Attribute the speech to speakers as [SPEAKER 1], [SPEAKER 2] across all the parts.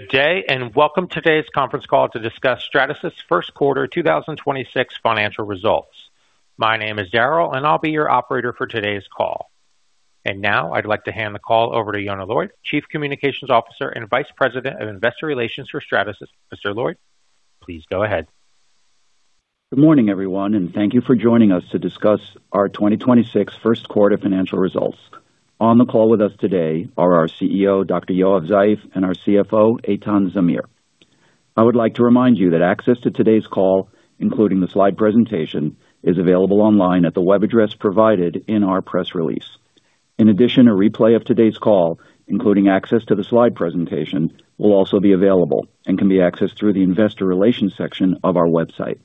[SPEAKER 1] Good day. Welcome to today's conference call to discuss Stratasys's first quarter 2026 financial results. My name is Daryl, and I'll be your operator for today's call. Now I'd like to hand the call over to Yonah Lloyd, Chief Communications Officer and Vice President of Investor Relations for Stratasys. Mr. Lloyd, please go ahead.
[SPEAKER 2] Good morning, everyone, and thank you for joining us to discuss our 2026 first quarter financial results. On the call with us today are our CEO, Dr. Yoav Zeif, and our CFO, Eitan Zamir. I would like to remind you that access to today's call, including the slide presentation, is available online at the web address provided in our press release. In addition, a replay of today's call, including access to the slide presentation, will also be available and can be accessed through the investor relations section of our website.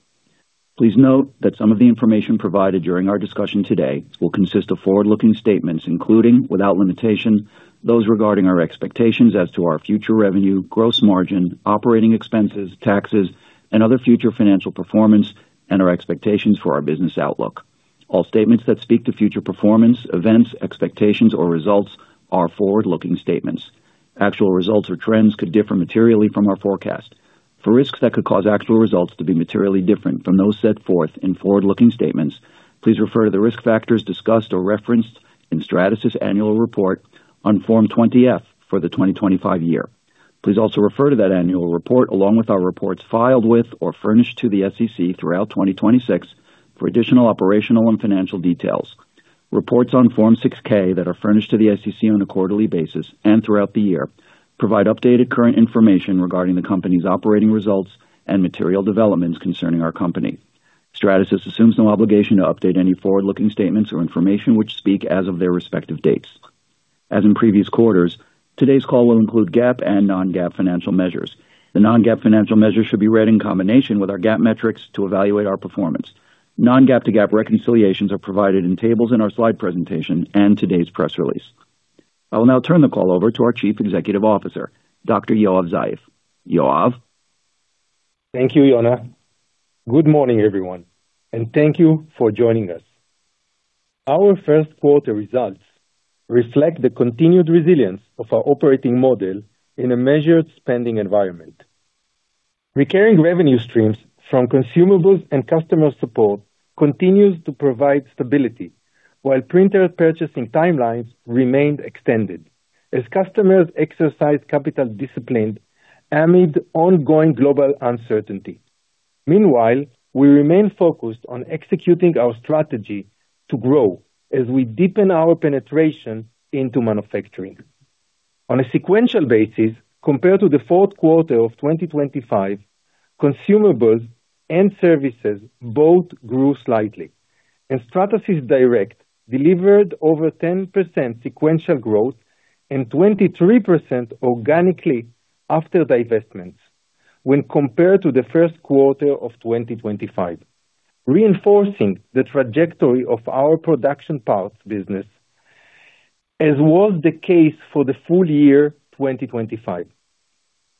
[SPEAKER 2] Please note that some of the information provided during our discussion today will consist of forward-looking statements, including without limitation, those regarding our expectations as to our future revenue, gross margin, operating expenses, taxes, and other future financial performance, and our expectations for our business outlook. All statements that speak to future performance, events, expectations, or results are forward-looking statements. Actual results or trends could differ materially from our forecast. For risks that could cause actual results to be materially different from those set forth in forward-looking statements, please refer to the risk factors discussed or referenced in Stratasys annual report on Form 20-F for the 2025 year. Please also refer to that annual report along with our reports filed with or furnished to the SEC throughout 2026 for additional operational and financial details. Reports on Form 6-K that are furnished to the SEC on a quarterly basis and throughout the year provide updated current information regarding the company's operating results and material developments concerning our company. Stratasys assumes no obligation to update any forward-looking statements or information which speak as of their respective dates. As in previous quarters, today's call will include GAAP and non-GAAP financial measures. The non-GAAP financial measures should be read in combination with our GAAP metrics to evaluate our performance. Non-GAAP to GAAP reconciliations are provided in tables in our slide presentation and today's press release. I will now turn the call over to our Chief Executive Officer, Dr. Yoav Zeif. Yoav?
[SPEAKER 3] Thank you, Yonah. Good morning, everyone, and thank you for joining us. Our first quarter results reflect the continued resilience of our operating model in a measured spending environment. Recurring revenue streams from consumables and customer support continues to provide stability, while printer purchasing timelines remained extended as customers exercise capital discipline amid ongoing global uncertainty. Meanwhile, we remain focused on executing our strategy to grow as we deepen our penetration into manufacturing. On a sequential basis, compared to the fourth quarter of 2025, consumables and services both grew slightly, and Stratasys Direct delivered over 10% sequential growth and 23% organically after divestments when compared to the first quarter of 2025, reinforcing the trajectory of our production parts business, as was the case for the full year 2025.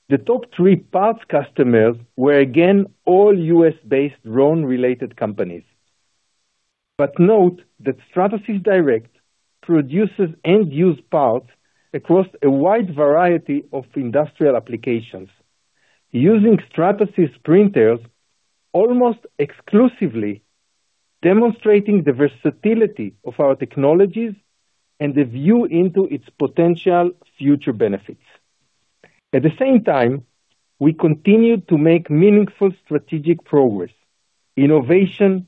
[SPEAKER 3] The top three parts customers were again all U.S.-based drone-related companies. Note that Stratasys Direct produces end-use parts across a wide variety of industrial applications, using Stratasys printers almost exclusively, demonstrating the versatility of our technologies and the view into its potential future benefits. At the same time, we continue to make meaningful strategic progress. Innovation,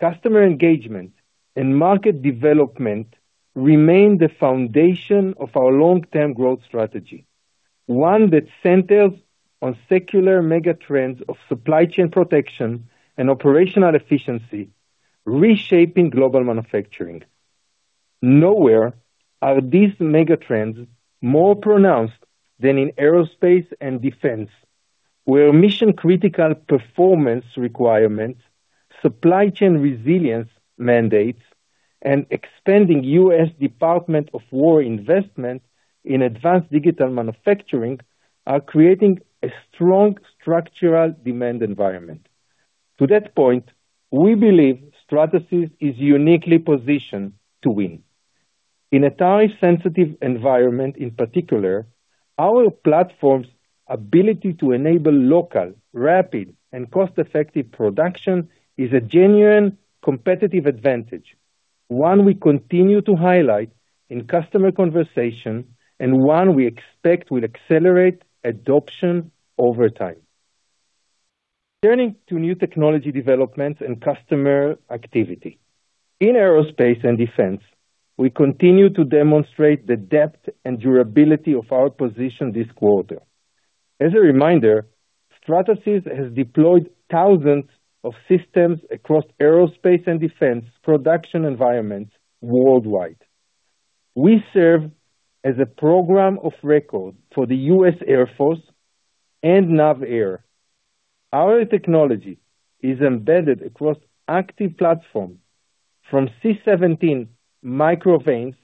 [SPEAKER 3] customer engagement, and market development remain the foundation of our long-term growth strategy, one that centers on secular megatrends of supply chain protection and operational efficiency, reshaping global manufacturing. Nowhere are these megatrends more pronounced than in aerospace and defense, where mission-critical performance requirements, supply chain resilience mandates, and expanding U.S. Department of Defense investments in advanced digital manufacturing are creating a strong structural demand environment. To that point, we believe Stratasys is uniquely positioned to win. In a tariff-sensitive environment, in particular, our platform's ability to enable local, rapid, and cost-effective production is a genuine competitive advantage, one we continue to highlight in customer conversation and one we expect will accelerate adoption over time. Turning to new technology developments and customer activity. In aerospace and defense, we continue to demonstrate the depth and durability of our position this quarter. As a reminder, Stratasys has deployed thousands of systems across aerospace and defense production environments worldwide. We serve as a program of record for the US Air Force and NAVAIR. Our technology is embedded across active platforms from C-17 microvanes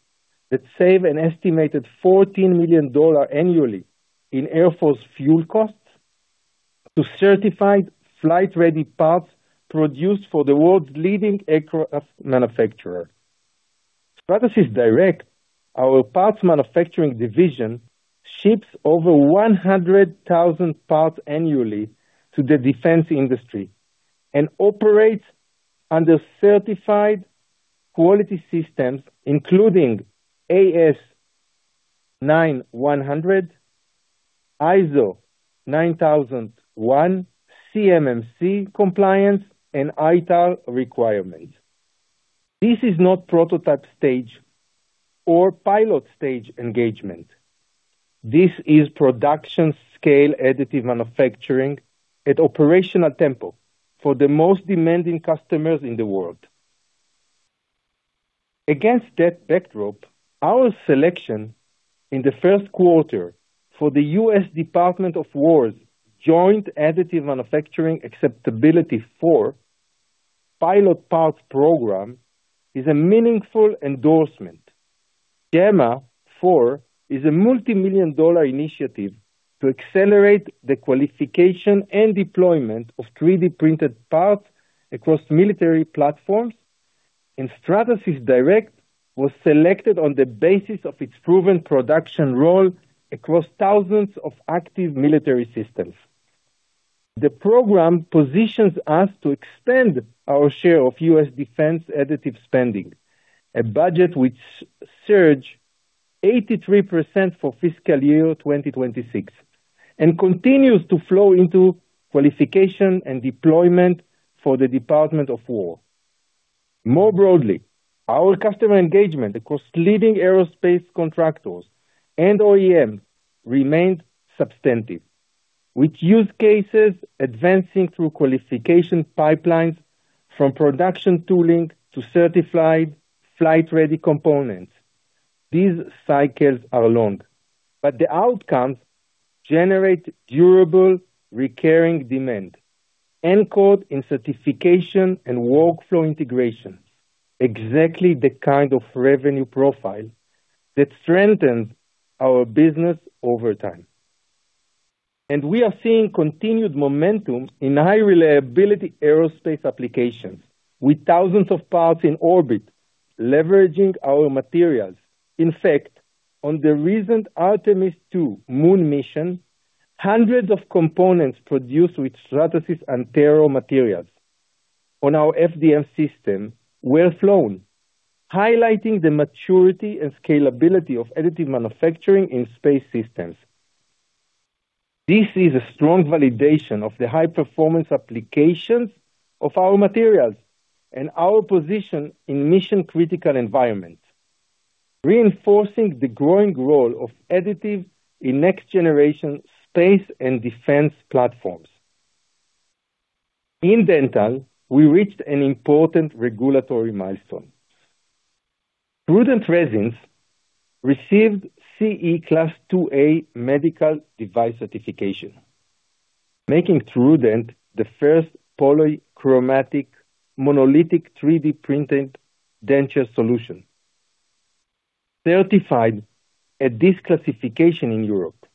[SPEAKER 3] that save an estimated $14 million annually in Air Force fuel costs to certified flight-ready parts produced for the world's leading aircraft manufacturer. Stratasys Direct, our parts manufacturing division, ships over 100,000 parts annually to the defense industry and operates under certified quality systems, including AS9100, ISO 9001, CMMC compliance, and ITAR requirements. This is not prototype stage or pilot stage engagement. This is production-scale additive manufacturing at operational tempo for the most demanding customers in the world. Against that backdrop, our selection in the first quarter for the U.S. Department of Defense's Joint Additive Manufacturing Acceptability IV Pilot Parts program is a meaningful endorsement. JAMA IV is a multi-million dollar initiative to accelerate the qualification and deployment of 3D-printed parts across military platforms, and Stratasys Direct was selected on the basis of its proven production role across thousands of active military systems. The program positions us to extend our share of U.S. defense additive spending, a budget which surged 83% for fiscal year 2026, and continues to flow into qualification and deployment for the Department of Defense. More broadly, our customer engagement across leading aerospace contractors and OEM remained substantive, with use cases advancing through qualification pipelines from production tooling to certified flight-ready components. These cycles are long, but the outcomes generate durable recurring demand, encode in certification and workflow integration, exactly the kind of revenue profile that strengthens our business over time. We are seeing continued momentum in high reliability aerospace applications with thousands of parts in orbit leveraging our materials. In fact, on the recent Artemis II moon mission, hundreds of components produced with Stratasys Antero materials on our FDM system were flown, highlighting the maturity and scalability of additive manufacturing in space systems. This is a strong validation of the high-performance applications of our materials and our position in mission-critical environment, reinforcing the growing role of additives in next-generation space and defense platforms. In dental, we reached an important regulatory milestone. TrueDent resins received CE Class IIa medical device certification, making TrueDent the first polychromatic monolithic 3D printed denture solution. Certified at this classification in Europe,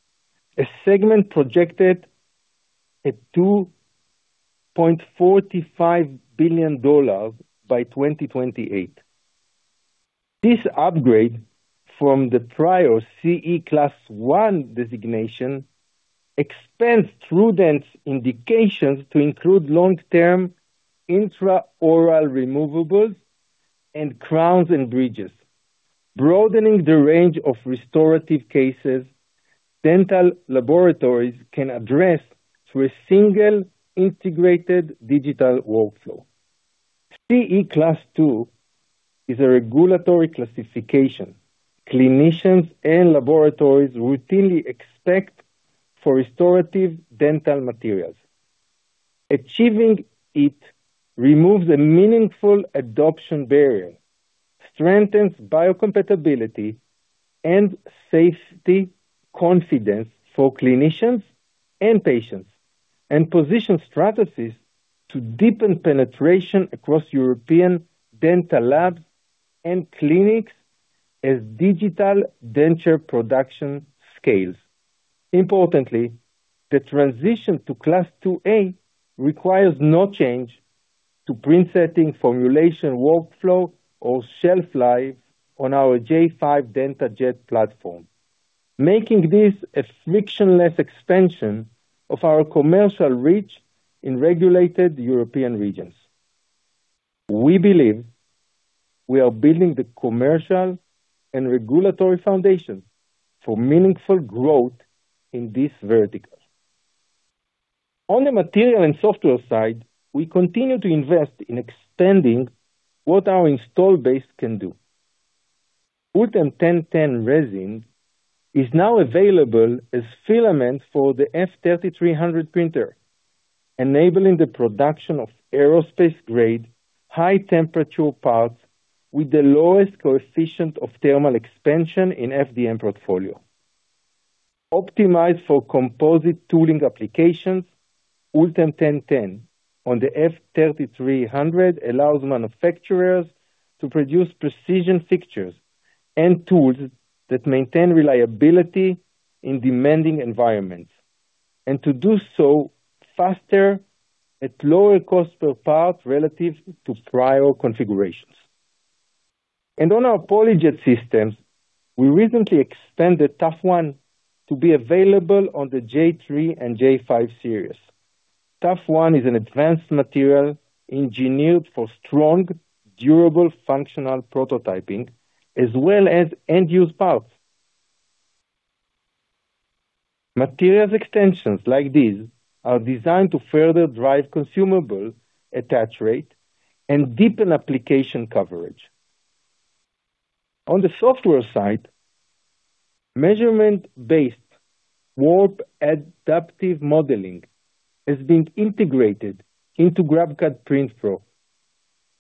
[SPEAKER 3] a segment projected at $2.45 billion by 2028. This upgrade from the prior CE Class I designation expands TrueDent's indications to include long-term intraoral removables and crowns and bridges, broadening the range of restorative cases dental laboratories can address through a single integrated digital workflow. CE Class II is a regulatory classification clinicians and laboratories routinely expect for restorative dental materials. Achieving it removes a meaningful adoption barrier, strengthens biocompatibility and safety confidence for clinicians and patients, and positions Stratasys to deepen penetration across European dental labs and clinics as digital denture production scales. Importantly, the transition to Class IIa requires no change to print setting, formulation, workflow, or shelf life on our J5 DentaJet platform, making this a frictionless extension of our commercial reach in regulated European regions. We believe we are building the commercial and regulatory foundation for meaningful growth in these verticals. On the material and software side, we continue to invest in extending what our install base can do. ULTEM 1010 resin is now available as filament for the F3300 printer, enabling the production of aerospace-grade high-temperature parts with the lowest coefficient of thermal expansion in FDM portfolio. Optimized for composite tooling applications, ULTEM 1010 on the F3300 allows manufacturers to produce precision fixtures and tools that maintain reliability in demanding environments, and to do so faster at lower cost per part relative to prior configurations. On our PolyJet systems, we recently expanded ToughONE to be available on the J3 and J5 series. ToughONE is an advanced material engineered for strong, durable, functional prototyping as well as end-use parts. Materials extensions like these are designed to further drive consumables attach rate and deepen application coverage. On the software side, measurement-based warp adaptive modeling is being integrated into GrabCAD Print Pro,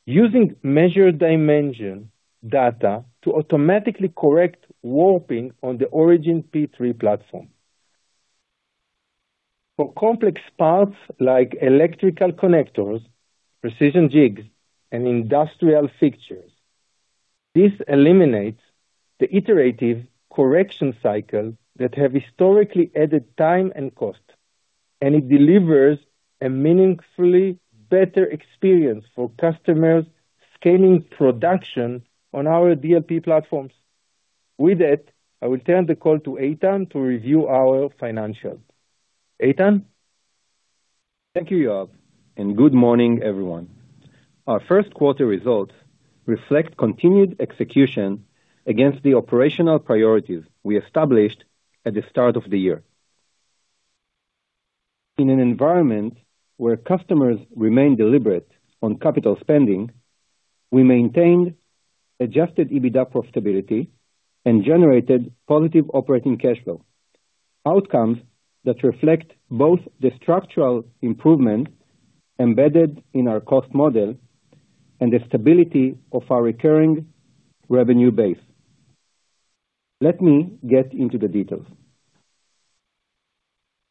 [SPEAKER 3] using measured dimension data to automatically correct warping on the Origin One P3 platform. For complex parts like electrical connectors, precision jigs, and industrial fixtures, this eliminates the iterative correction cycle that have historically added time and cost, and it delivers a meaningfully better experience for customers scaling production on our DLP platforms. With that, I will turn the call to Eitan to review our financials. Eitan?
[SPEAKER 4] Thank you, Yoav, and good morning, everyone. Our first quarter results reflect continued execution against the operational priorities we established at the start of the year. In an environment where customers remain deliberate on capital spending, we maintained adjusted EBITDA profitability and generated positive operating cash flow. Outcomes that reflect both the structural improvement embedded in our cost model and the stability of our recurring revenue base. Let me get into the details.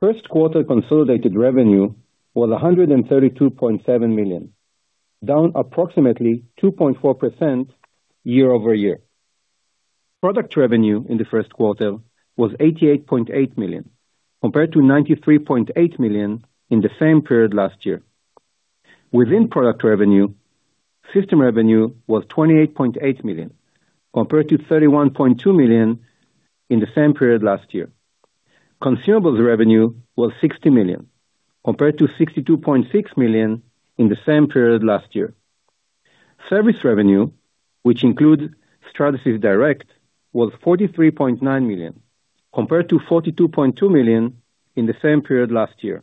[SPEAKER 4] First quarter consolidated revenue was $132.7 million, down approximately 2.4% year-over-year. Product revenue in the first quarter was $88.8 million, compared to $93.8 million in the same period last year. Within product revenue, system revenue was $28.8 million, compared to $31.2 million in the same period last year. Consumables revenue was $60 million, compared to $62.6 million in the same period last year. Service revenue, which includes Stratasys Direct, was $43.9 million, compared to $42.2 million in the same period last year,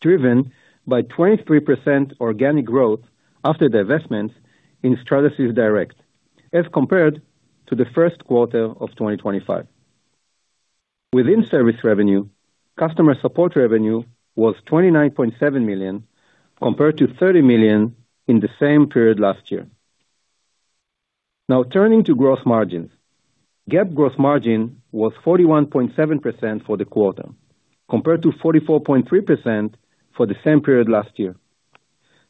[SPEAKER 4] driven by 23% organic growth after the investments in Stratasys Direct as compared to the first quarter of 2025. Within service revenue, customer support revenue was $29.7 million, compared to $30 million in the same period last year. Now, turning to gross margins. GAAP gross margin was 41.7% for the quarter, compared to 44.3% for the same period last year.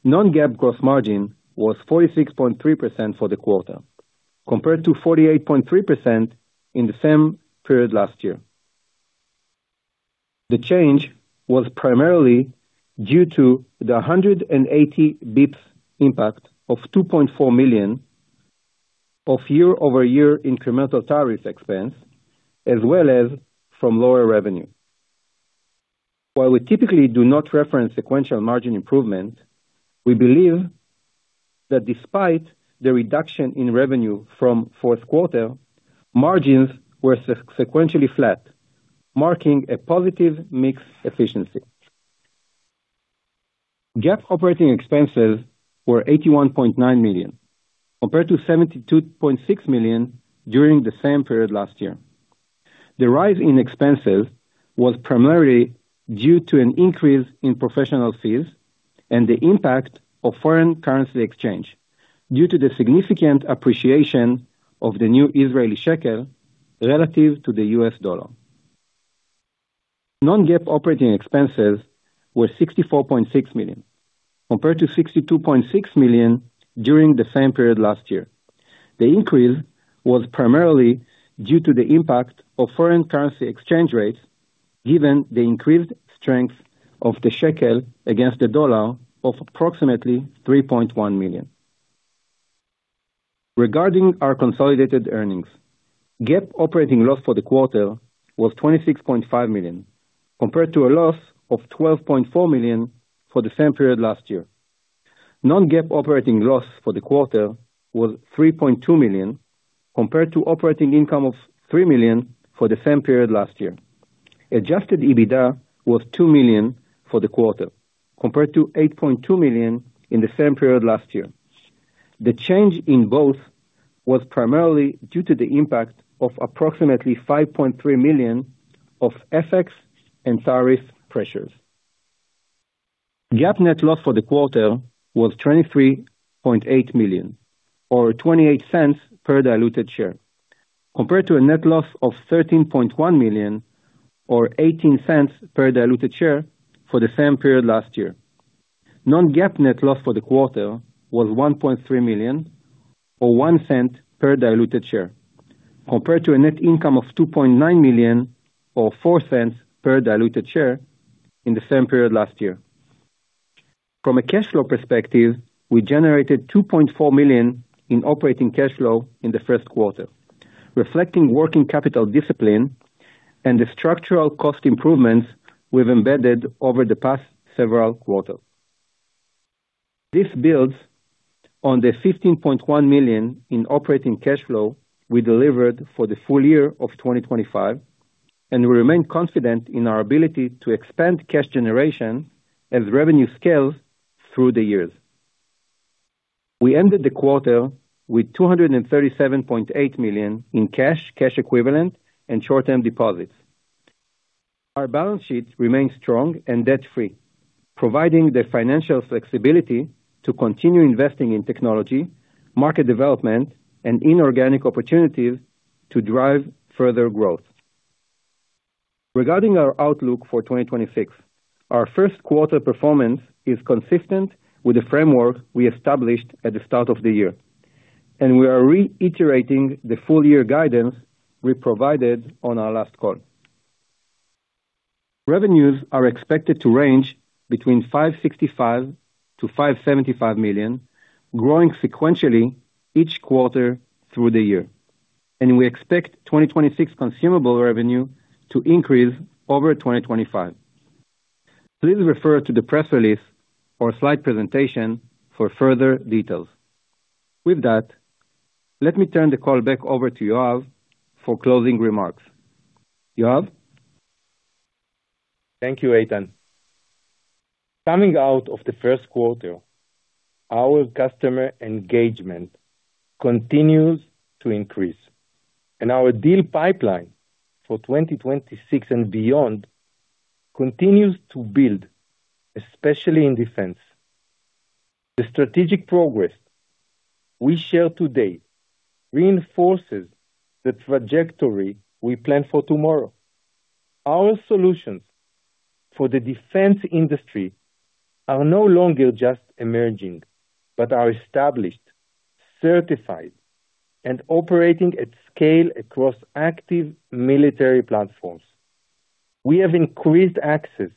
[SPEAKER 4] Non-GAAP gross margin was 46.3% for the quarter, compared to 48.3% in the same period last year. The change was primarily due to the 180 bps impact of $2.4 million of year-over-year incremental tariff expense, as well as from lower revenue. While we typically do not reference sequential margin improvement, we believe that despite the reduction in revenue from fourth quarter, margins were sequentially flat, marking a positive mix efficiency. GAAP operating expenses were $81.9 million, compared to $72.6 million during the same period last year. The rise in expenses was primarily due to an increase in professional fees and the impact of foreign currency exchange due to the significant appreciation of the new Israeli shekel relative to the U.S. dollar. Non-GAAP operating expenses were $64.6 million, compared to $62.6 million during the same period last year. The increase was primarily due to the impact of foreign currency exchange rates, given the increased strength of the shekel against the dollar of approximately $3.1 million. Regarding our consolidated earnings, GAAP operating loss for the quarter was $26.5 million, compared to a loss of $12.4 million for the same period last year. Non-GAAP operating loss for the quarter was $3.2 million, compared to operating income of $3 million for the same period last year. Adjusted EBITDA was $2 million for the quarter, compared to $8.2 million in the same period last year. The change in both was primarily due to the impact of approximately $5.3 million of FX and tariff pressures. GAAP net loss for the quarter was $23.8 million or $0.28 per diluted share, compared to a net loss of $13.1 million or $0.18 per diluted share for the same period last year. non-GAAP net loss for the quarter was $1.3 million or $0.01 per diluted share, compared to a net income of $2.9 million or $0.04 per diluted share in the same period last year. From a cash flow perspective, we generated $2.4 million in operating cash flow in the first quarter, reflecting working capital discipline and the structural cost improvements we've embedded over the past several quarters. This builds on the $15.1 million in operating cash flow we delivered for the full year of 2025. We remain confident in our ability to expand cash generation as revenue scales through the years. We ended the quarter with $237.8 million in cash equivalents, and short-term deposits. Our balance sheet remains strong and debt-free, providing the financial flexibility to continue investing in technology, market development, and inorganic opportunities to drive further growth. Regarding our outlook for 2026, our first quarter performance is consistent with the framework we established at the start of the year, and we are reiterating the full year guidance we provided on our last call. Revenues are expected to range between $565 million-$575 million, growing sequentially each quarter through the year, and we expect 2026 consumable revenue to increase over 2025. Please refer to the press release or slide presentation for further details. With that, let me turn the call back over to Yoav for closing remarks. Yoav?
[SPEAKER 3] Thank you, Eitan. Coming out of the first quarter, our customer engagement continues to increase, and our deal pipeline for 2026 and beyond continues to build, especially in defense. The strategic progress we share today reinforces the trajectory we plan for tomorrow. Our solutions for the defense industry are no longer just emerging, but are established, certified, and operating at scale across active military platforms. We have increased access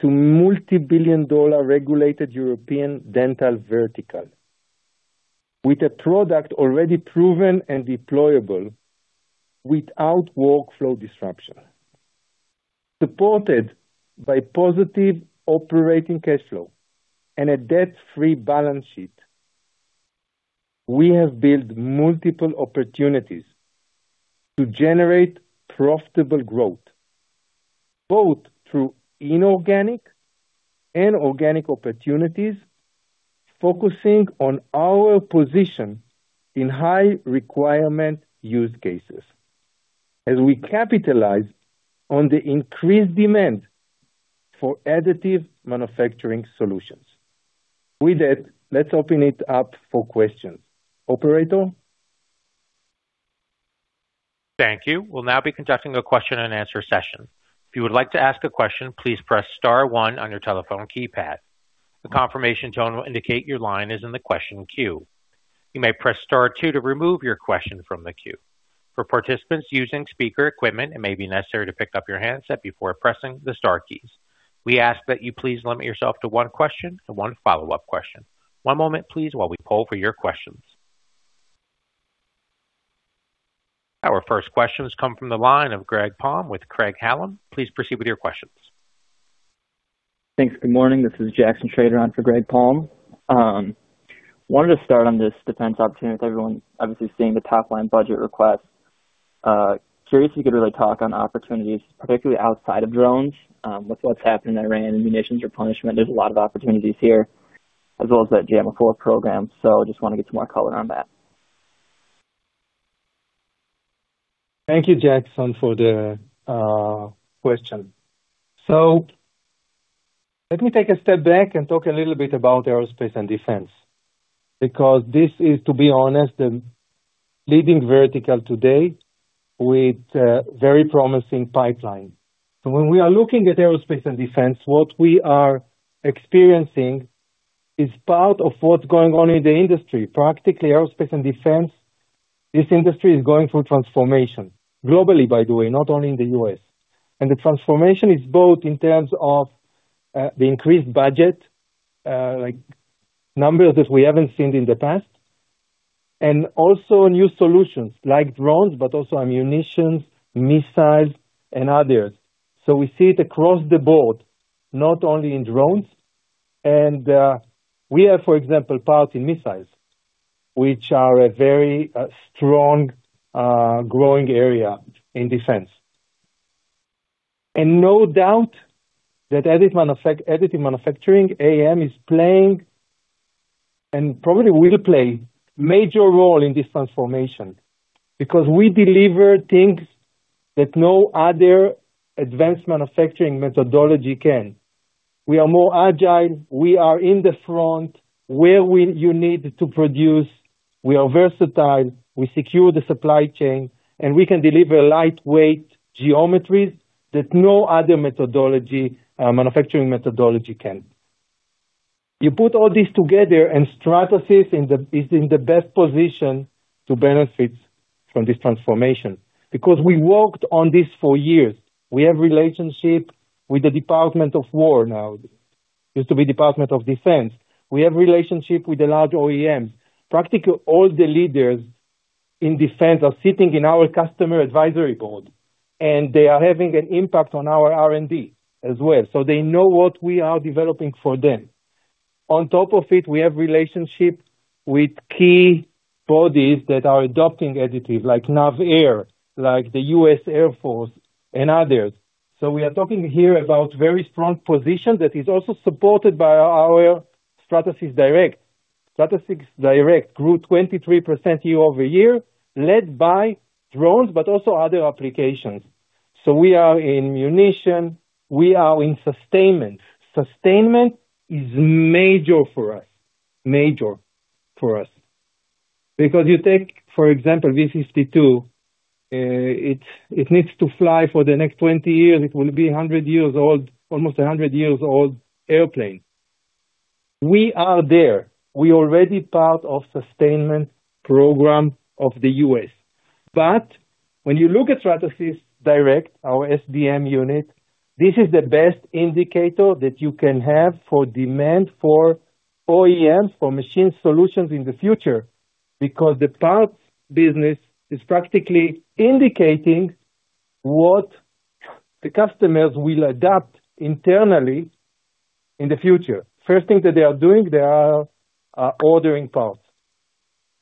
[SPEAKER 3] to multi-billion dollar regulated European dental vertical with a product already proven and deployable without workflow disruption. Supported by positive operating cash flow and a debt-free balance sheet, we have built multiple opportunities to generate profitable growth, both through inorganic and organic opportunities, focusing on our position in high requirement use cases as we capitalize on the increased demand for additive manufacturing solutions. With that, let's open it up for questions. Operator?
[SPEAKER 1] Thank you. We'll now be conducting a question and answer session. If you would like to ask a question, please press star one on your telephone keypad. The confirmation tone will indicate your line is in the question queue. You may press star two to remove your question form the queue. For participants using speaker equipment, it may be necessary to pick up your handset before pressing the star keys. We ask that you please limit yourself to one question to on follow up question. One moment please, while we call for your questions. Our first question has come from the line of Greg Palm with Craig-Hallum. Please proceed with your questions.
[SPEAKER 5] Thanks. Good morning. This is Jackson Schroeder on for Greg Palm. Wanted to start on this defense opportunity with everyone obviously seeing the top-line budget request. Curious if you could really talk on opportunities, particularly outside of drones, with what's happened in Iran, ammunitions or punishment. There's a lot of opportunities here, as well as that JAMA IV program. Just want to get some more color on that.
[SPEAKER 3] Thank you, Jackson, for the question. Let me take a step back and talk a little bit about aerospace and defense, because this is, to be honest, the leading vertical today with a very promising pipeline. When we are looking at aerospace and defense, what we are experiencing is part of what's going on in the industry. Practically, aerospace and defense, this industry is going through transformation globally, by the way, not only in the U.S. The transformation is both in terms of the increased budget, like numbers that we haven't seen in the past, and also new solutions like drones, but also ammunitions, missiles and others. We see it across the board, not only in drones. We have, for example, parts in missiles, which are a very strong growing area in defense. No doubt that additive manufacturing, AM, is playing and probably will play a major role in this transformation because we deliver things that no other advanced manufacturing methodology can. We are more agile. We are in the front where we are versatile, we secure the supply chain, and we can deliver lightweight geometries that no other manufacturing methodology can. You put all this together Stratasys is in the best position to benefit from this transformation because we worked on this for years. We have relationship with the Department of Defense now, used to be Department of Defense. We have relationship with the large OEMs. Practically all the leaders in defense are sitting in our customer advisory board, and they are having an impact on our R&D as well, so they know what we are developing for them. On top of it, we have relationship with key bodies that are adopting additive, like NAVAIR, like the US Air Force and others. We are talking here about very strong position that is also supported by our Stratasys Direct. Stratasys Direct grew 23% year-over-year, led by drones, but also other applications. We are in munition, we are in sustainment. Sustainment is major for us. Major for us. Because you take, for example, B-52, it needs to fly for the next 20 years. It will be 100 years old, almost 100 years old airplane. We are there. We already part of sustainment program of the U.S. When you look at Stratasys Direct, our SDM unit, this is the best indicator that you can have for demand for OEM, for machine solutions in the future, because the parts business is practically indicating what the customers will adopt internally in the future. First thing that they are doing, they are ordering parts.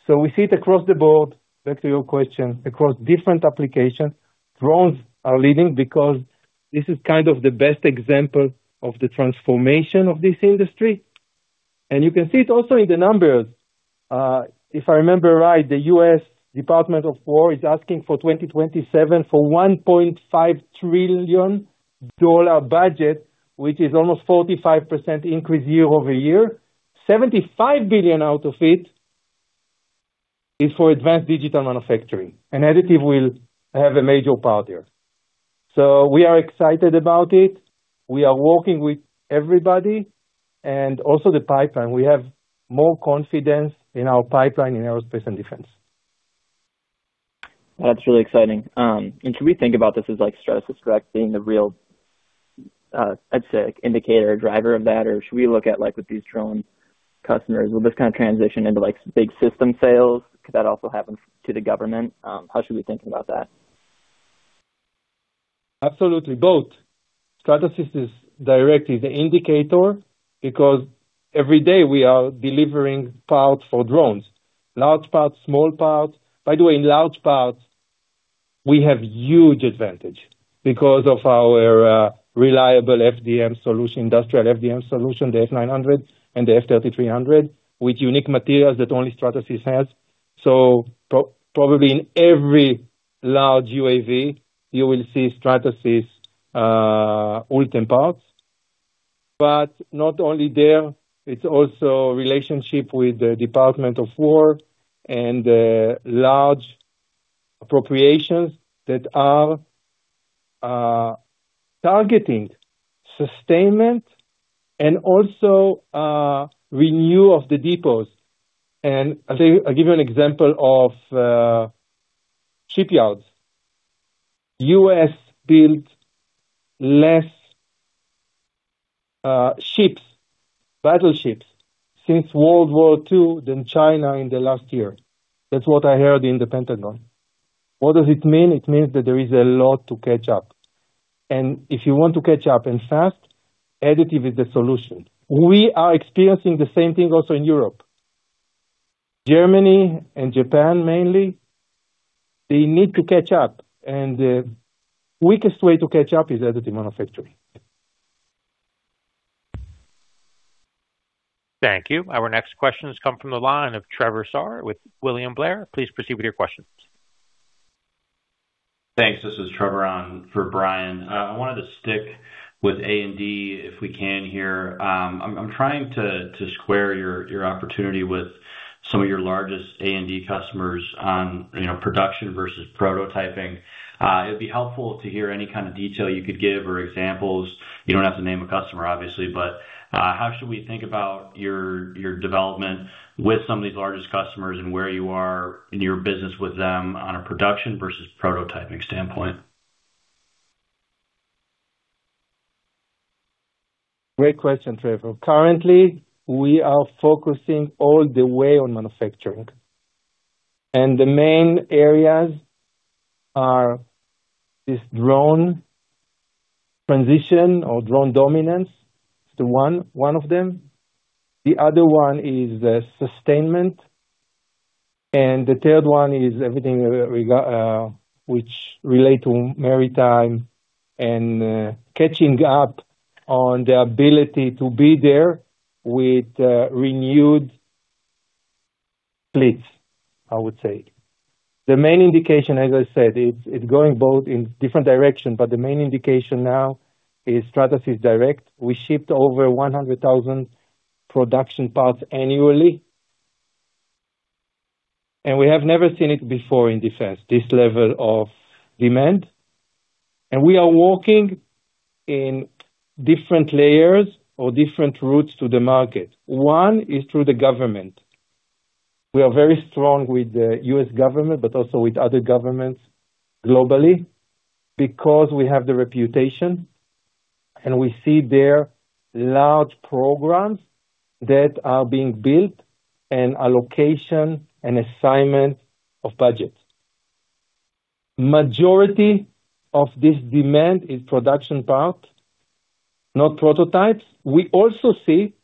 [SPEAKER 3] We see it across the board, back to your question, across different applications. Drones are leading because this is kind of the best example of the transformation of this industry. You can see it also in the numbers. If I remember right, the U.S. Department of Defense is asking for 2027 for a $1.5 trillion budget, which is almost 45% increase year-over-year. $75 billion out of it is for advanced digital manufacturing, and additive will have a major part there. We are excited about it. We are working with everybody. The pipeline, we have more confidence in our pipeline in aerospace and defense.
[SPEAKER 5] That's really exciting. Should we think about this as like Stratasys Direct being the real, I'd say, like indicator or driver of that, or should we look at like with these drone customers, will this kind of transition into like big system sales? Could that also happen to the government? How should we think about that?
[SPEAKER 3] Absolutely, both. Stratasys is directly the indicator because every day we are delivering parts for drones, large parts, small parts. By the way, in large parts, we have huge advantage because of our reliable FDM solution, industrial FDM solution, the F900 and the F3300, with unique materials that only Stratasys has. Probably in every large UAV, you will see Stratasys ULTEM parts. Not only there, it's also relationship with the Department of Defense and large appropriations that are targeting sustainment and also renew of the depots. I'll give you an example of shipyards. U.S. built less ships, battleships since World War II than China in the last year. That's what I heard in the Pentagon. What does it mean? It means that there is a lot to catch up. If you want to catch up and fast, additive is the solution. We are experiencing the same thing also in Europe. Germany and Japan mainly, they need to catch up. The weakest way to catch up is additive manufacturing.
[SPEAKER 1] Thank you. Our next question has come from the line of Trevor Saar with William Blair. Please proceed with your questions.
[SPEAKER 6] Thanks. This is Trevor on for Brian. I wanted to stick with A&D if we can here. I'm trying to square your opportunity with some of your largest A&D customers on, you know, production versus prototyping. It'd be helpful to hear any kind of detail you could give or examples. You don't have to name a customer, obviously. How should we think about your development with some of these largest customers and where you are in your business with them on a production versus prototyping standpoint?
[SPEAKER 3] Great question, Trevor. Currently, we are focusing all the way on manufacturing, and the main areas are this drone transition or drone dominance is one of them. The other one is the sustainment, and the third one is everything which relate to maritime and catching up on the ability to be there with a renewed fleet, I would say. The main indication, as I said, it's going both in different direction, but the main indication now is Stratasys Direct. We shipped over 100,000 production parts annually. We have never seen it before in defense, this level of demand. We are working in different layers or different routes to the market. One is through the government. We are very strong with the U.S. government, Also with other governments globally because we have the reputation, and we see their large programs that are being built, and allocation and assignment of budgets. Majority of this demand is production part, not prototypes. We also see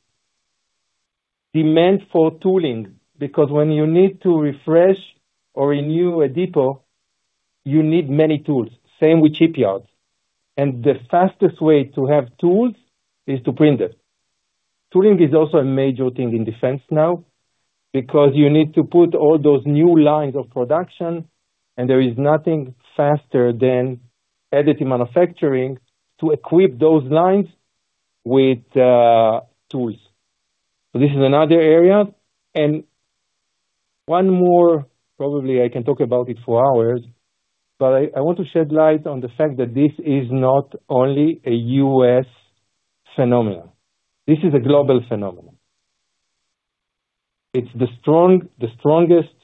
[SPEAKER 3] demand for tooling. When you need to refresh or renew a depot, you need many tools. Same with shipyards. The fastest way to have tools is to print it. Tooling is also a major thing in Defense now. You need to put all those new lines of production, and there is nothing faster than additive manufacturing to equip those lines with tools. This is another area. One more, probably I can talk about it for hours, but I want to shed light on the fact that this is not only a U.S. phenomenon. This is a global phenomenon. It's the strongest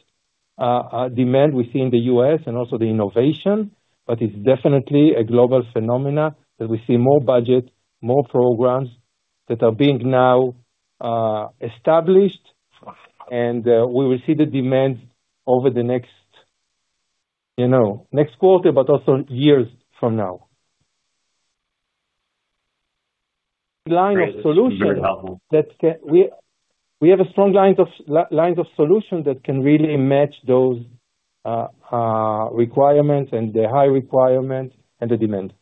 [SPEAKER 3] demand we see in the U.S. and also the innovation, but it's definitely a global phenomenon that we see more budget, more programs that are being now established, and we will see the demand over the next, you know, next quarter, but also years from now.
[SPEAKER 6] Great. This is very helpful.
[SPEAKER 3] We have a strong lines of solutions that can really match those requirements and the high requirements and the demand.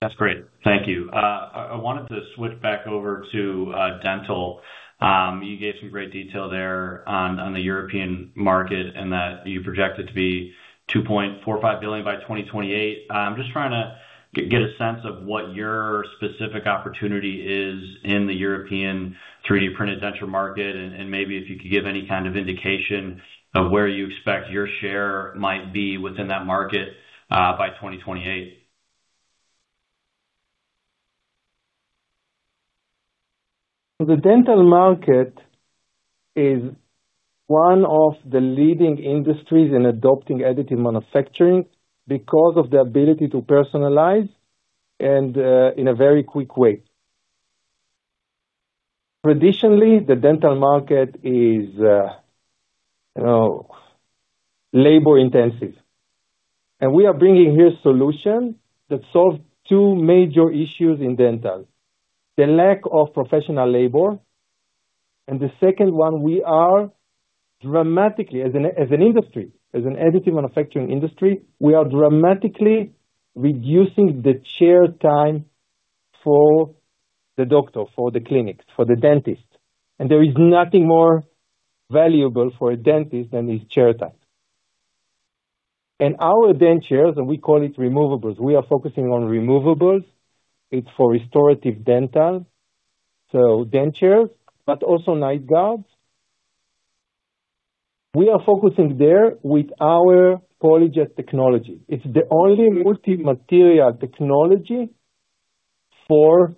[SPEAKER 6] That's great. Thank you. I wanted to switch back over to dental. You gave some great detail there on the European market and that you project it to be $2.45 billion by 2028. I'm just trying to get a sense of what your specific opportunity is in the European 3D printed denture market, and maybe if you could give any kind of indication of where you expect your share might be within that market by 2028.
[SPEAKER 3] The dental market is one of the leading industries in adopting additive manufacturing because of the ability to personalize and in a very quick way. Traditionally, the dental market is, you know, labor-intensive, and we are bringing here solutions that solve two major issues in dental: the lack of professional labor, and the second one, we are dramatically, as an industry, as an additive manufacturing industry, we are dramatically reducing the chair time for the doctor, for the clinics, for the dentist. There is nothing more valuable for a dentist than his chair time. Our dentures, and we call it removables, we are focusing on removables. It's for restorative dental, so dentures, but also night guards. We are focusing there with our PolyJet technology. It's the only multi-material technology for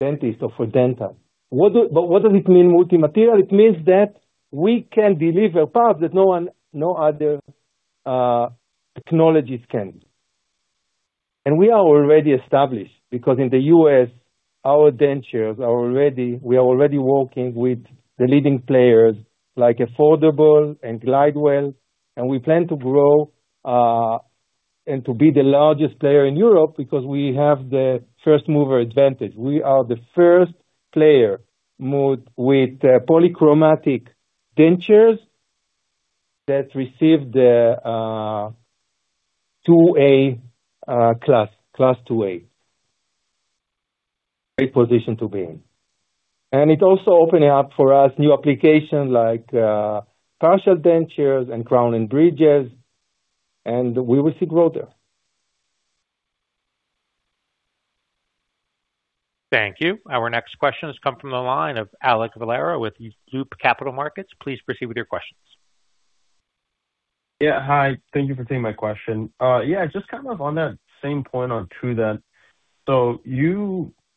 [SPEAKER 3] dentists or for dental. What does it mean, multi-material? It means that we can deliver parts that no one, no other technologies can. We are already established because in the U.S., our dentures are already working with the leading players like Affordable and Glidewell, and we plan to grow and to be the largest player in Europe because we have the first-mover advantage. We are the first player move with polychromatic dentures that receive the IIa class IIa. Great position to be in. It also opening up for us new application like partial dentures and crown and bridges, and we will see growth there.
[SPEAKER 1] Thank you. Our next question has come from the line of Alek Valero with Loop Capital Markets. Please proceed with your questions.
[SPEAKER 7] Yeah. Hi. Thank you for taking my question. Yeah, just kind of on that same point on TrueDent.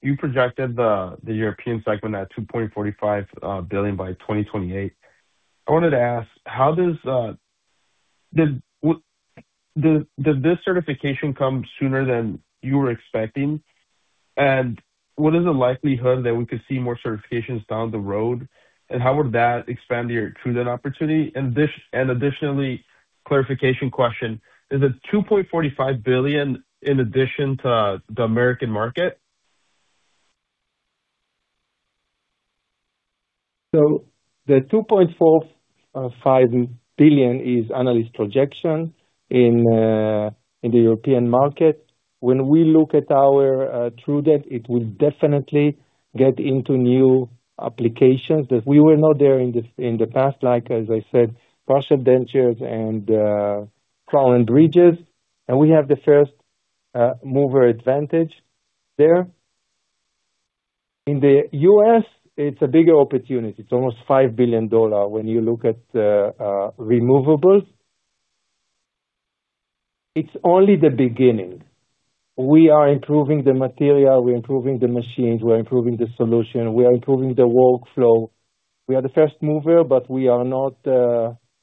[SPEAKER 7] You projected the European segment at $2.45 billion by 2028. I wanted to ask, how does this certification come sooner than you were expecting? What is the likelihood that we could see more certifications down the road, and how would that expand your TrueDent opportunity? Additionally, clarification question, is it $2.45 billion in addition to the American market?
[SPEAKER 3] The $2.4 billion-$2.5 billion is analyst projection in the European market. When we look at our TrueDent, it will definitely get into new applications that we were not there in the past, like as I said, partial dentures and crown and bridges. We have the first mover advantage there. In the U.S., it's a bigger opportunity. It's almost $5 billion when you look at removables. It's only the beginning. We are improving the material, we're improving the machines, we're improving the solution, we are improving the workflow. We are the first mover, but we are not,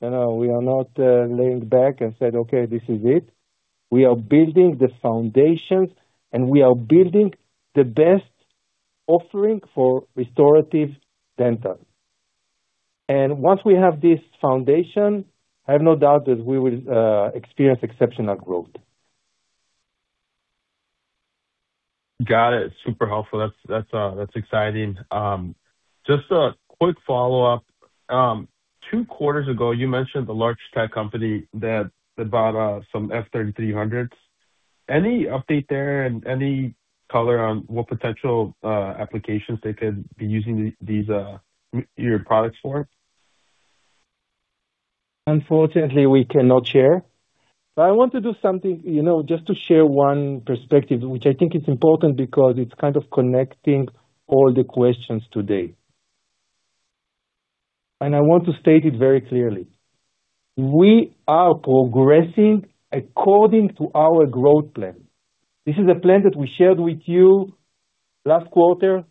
[SPEAKER 3] you know, we are not laying back and said, "Okay, this is it." We are building the foundations, and we are building the best offering for restorative dental. Once we have this foundation, I have no doubt that we will experience exceptional growth.
[SPEAKER 7] Got it. Super helpful. That's exciting. Just a quick follow-up. Two quarters ago, you mentioned the large tech company that bought some F3300s. Any update there and any color on what potential applications they could be using these your products for?
[SPEAKER 3] Unfortunately, we cannot share. I want to do something, you know, just to share one perspective, which I think is important because it's kind of connecting all the questions today. I want to state it very clearly. We are progressing according to our growth plan. This is a plan that we shared with you last quarter.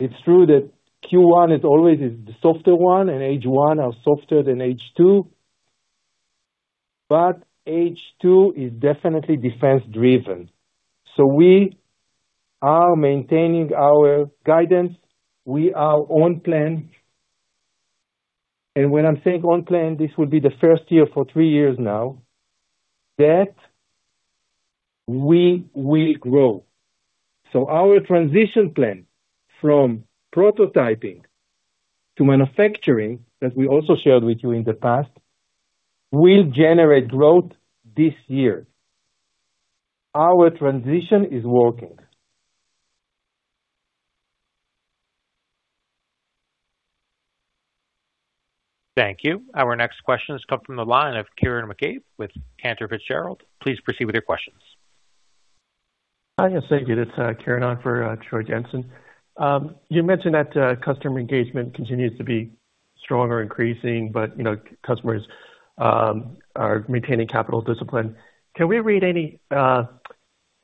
[SPEAKER 3] It's true that Q1 is always the softer one. H1 are softer than H2. H2 is definitely defense-driven. We are maintaining our guidance. We are on plan. When I'm saying on plan, this will be the first year for three years now that we will grow. Our transition plan from prototyping to manufacturing, that we also shared with you in the past, will generate growth this year. Our transition is working.
[SPEAKER 1] Thank you. Our next question has come from the line of Kieran McCabe with Cantor Fitzgerald. Please proceed with your questions.
[SPEAKER 8] Hi. Yes, thank you. That's Kieran on for Troy Jensen. You mentioned that customer engagement continues to be strong or increasing, but customers are maintaining capital discipline. Can we read any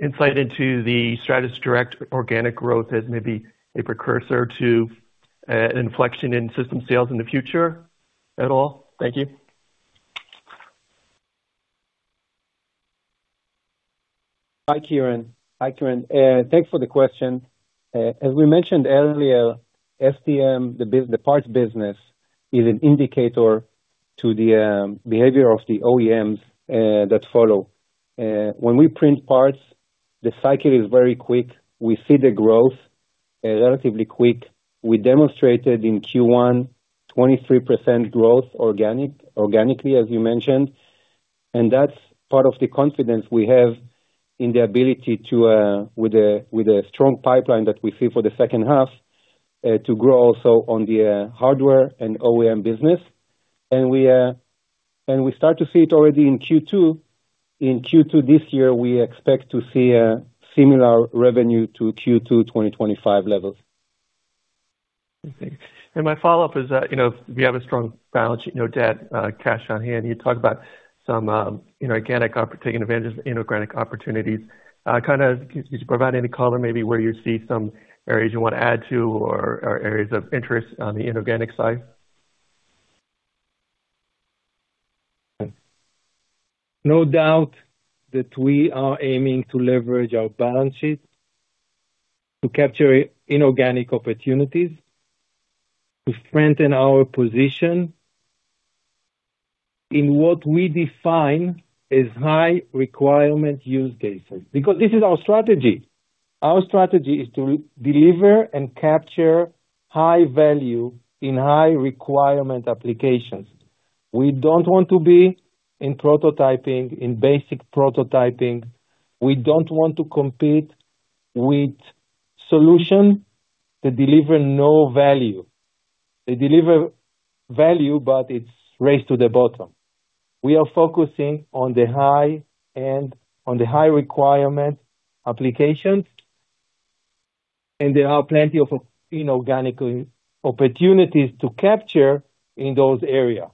[SPEAKER 8] insight into the Stratasys Direct organic growth as maybe a precursor to an inflection in system sales in the future at all? Thank you.
[SPEAKER 3] Hi, Kieran. Thanks for the question. As we mentioned earlier, FDM, the parts business, is an indicator to the behavior of the OEMs that follow. When we print parts, the cycle is very quick. We see the growth relatively quick. We demonstrated in Q1, 23% growth organically, as you mentioned. That's part of the confidence we have in the ability to with the strong pipeline that we see for the second half to grow also on the hardware and OEM business. We start to see it already in Q2. In Q2 this year, we expect to see a similar revenue to Q2 2025 levels.
[SPEAKER 8] Okay. My follow-up is that, you know, we have a strong balance sheet, no debt, cash on hand. You talked about some, you know, taking advantage of inorganic opportunities. Kind of can you provide any color maybe where you see some areas you want to add to or areas of interest on the inorganic side?
[SPEAKER 3] No doubt that we are aiming to leverage our balance sheet to capture inorganic opportunities, to strengthen our position in what we define as high requirement use cases. This is our strategy. Our strategy is to redeliver and capture high value in high requirement applications. We don't want to be in prototyping, in basic prototyping. We don't want to compete with solutions that deliver no value. They deliver value, but it's race to the bottom. We are focusing on the high end, on the high requirement applications. There are plenty of inorganic opportunities to capture in those areas.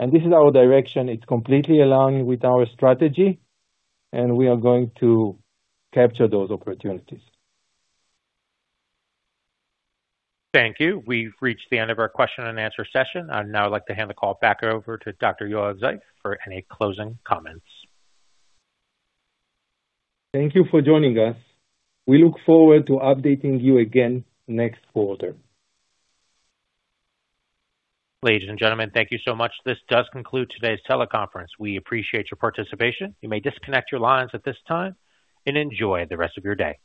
[SPEAKER 3] This is our direction. It's completely aligned with our strategy, and we are going to capture those opportunities.
[SPEAKER 1] Thank you. We've reached the end of our question and answer session. I'd now like to hand the call back over to Dr. Yoav Zeif for any closing comments.
[SPEAKER 3] Thank you for joining us. We look forward to updating you again next quarter.
[SPEAKER 1] Ladies and gentlemen, thank you so much. This does conclude today's teleconference. We appreciate your participation. You may disconnect your lines at this time, and enjoy the rest of your day.